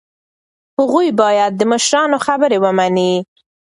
هغوی باید د مشرانو خبره ومني.